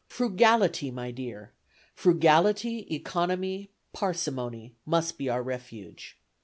Frugality, my dear, frugality, economy, parsimony, must be our refuge.